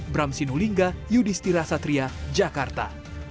bram sinulinga yudhistira satria jakarta